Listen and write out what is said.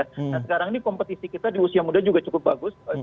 nah sekarang ini kompetisi kita di usia muda juga cukup bagus